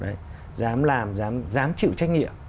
đấy dám làm dám chịu trách nhiệm